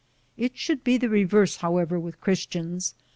It should be the reverse, however, with Christians